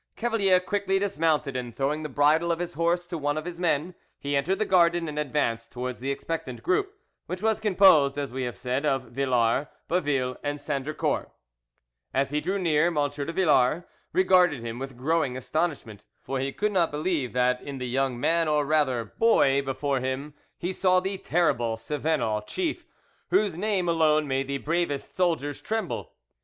Cavalier quickly dismounted, and throwing the bridle of his horse to one of his men, he entered the garden, and advanced towards the expectant group, which was composed, as we have said, of Villars, Baville, and Sandricourt. As he drew near, M. de Villars regarded him with growing astonishment; for he could not believe that in the young man, or rather boy, before him he saw the terrible Cevenol chief, whose name alone made the bravest soldiers tremble.